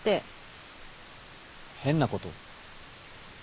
変なこと？